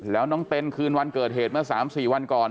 แล้วน้องเต้นคืนวันเกิดเหตุเมื่อ๓๔วันก่อน